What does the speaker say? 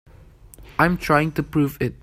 I'm trying to prove it.